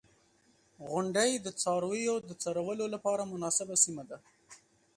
• غونډۍ د څارویو د څرولو لپاره مناسبه سیمه ده.